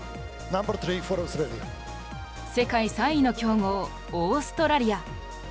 世界３位の強豪オーストラリア。